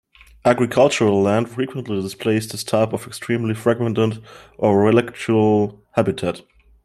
Agricultural land frequently displays this type of extremely fragmented, or relictual, habitat.